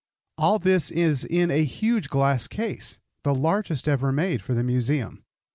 All this is in a huge glass case, the largest ever made for the Museum.